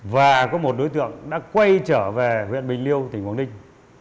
và có một đối tượng đã quay trở về huyện bình liêu tỉnh quảng ninh